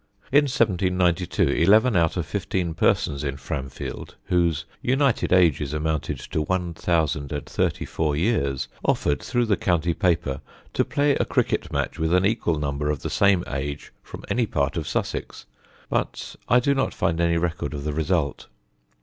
In 1792 eleven out of fifteen persons in Framfield, whose united ages amounted to one thousand and thirty four years, offered, through the county paper, to play a cricket match with an equal number of the same age from any part of Sussex; but I do not find any record of the result.